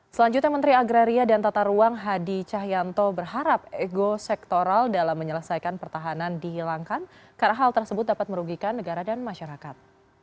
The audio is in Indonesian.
selanjutnya menteri agraria dan tata ruang hadi cahyanto berharap ego sektoral dalam menyelesaikan pertahanan dihilangkan karena hal tersebut dapat merugikan negara dan masyarakat